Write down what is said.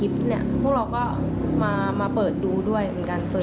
พวกเราก็มาเปิดดูด้วยเหมือนกันเปิด